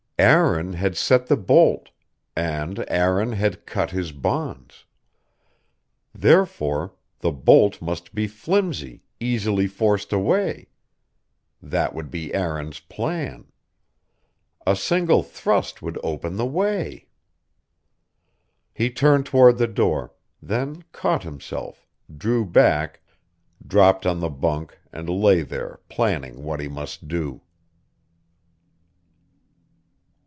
Aaron had set the bolt; and Aaron had cut his bonds. Therefore the bolt must be flimsy, easily forced away. That would be Aaron's plan. A single thrust would open the way.... He turned toward the door; then caught himself, drew back, dropped on the bunk and lay there, planning what he must do.